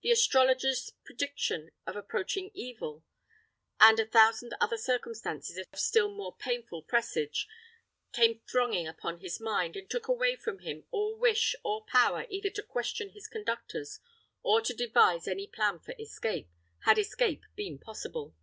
The astrologer's prediction of approaching evil, and a thousand other circumstances of still more painful presage, came thronging upon his mind, and took away from him all wish or power either to question his conductors or to devise any plan for escape, had escape been possible.